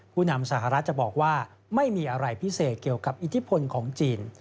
ผู้นำสหรัฐจะบอกว่าไม่มีอะไรพิเศษเกี่ยวกับอิทธิพลของจีน